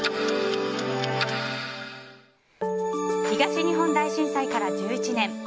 東日本大震災から１１年。